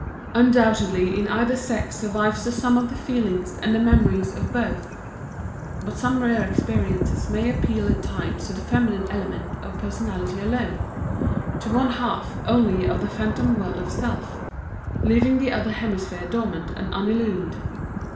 _"Undoubtedly in either sex survives the sum of the feelings and of the memories of both. But some rare experience may appeal at times to the feminine element of personality alone, to one half only of the phantom world of Self, leaving the other hemisphere dormant and unillumed.